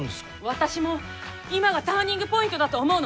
私も今がターニングポイントだと思うの。